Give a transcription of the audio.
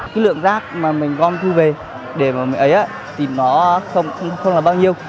cái lượng rác mà mình gom thu về để mà mấy ấy á thì nó không là bao nhiêu